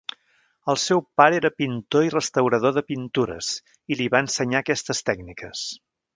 El seu pare era pintor i restaurador de pintures i li va ensenyar aquestes tècniques.